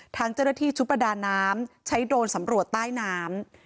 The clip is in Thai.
ทางเจรถีชุปดาห์น้ำใช้โดนสำรวจใต้น้ำ